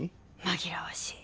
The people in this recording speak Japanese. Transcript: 紛らわしい。